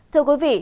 thưa quý vị